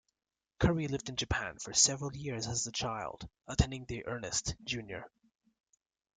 Curry lived in Japan for several years as a child, attending the Ernest J.